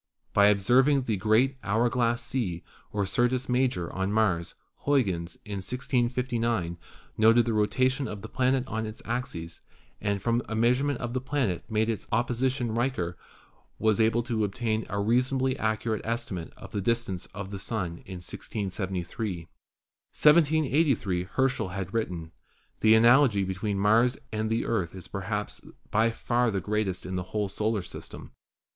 By observing the great "Hour glass Sea," or Syrtis Major, on Mars, Huygens in 1659 noted the rotation of the planet on its axis, and from a measurement of the planet made at its opposition Richer was able to obtain a reasonably accurate estimate of the distance of the Sun in 1673. 180 MARS 181 In 1783 Herschel had written: "The analogy between Mars and the Earth is perhaps by far the greatest in the whole solar system."